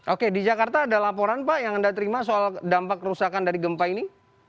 oke di jakarta ada laporan pak yang anda terima soal dampak kerusakan dari gempa ini